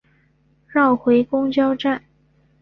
绕回公车站